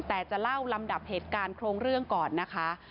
แต่จะเล่าลำดับเหตุการณ์โครงเรื่องก่อนนะคะ